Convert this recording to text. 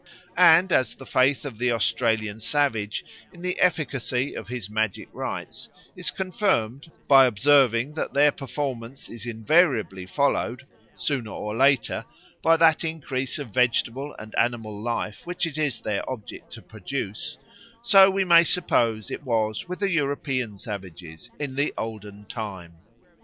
And as the faith of the Australian savage in the efficacy of his magic rites is confirmed by observing that their performance is invariably followed, sooner or later, by that increase of vegetable and animal life which it is their object to produce, so, we may suppose, it was with European savages in the olden time.